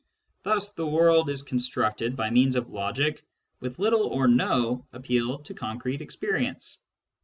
Thus the world is constructed by means of logic, with little or no appeal to concrete experience.